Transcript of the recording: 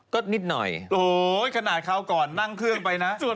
ก็นิดหน่อยโอ้โหขนาดคราวก่อนนั่งเครื่องไปนะ